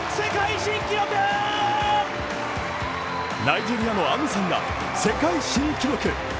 ナイジェリアのアムサンが世界新記録。